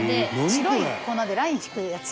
白い粉でライン引くやつ？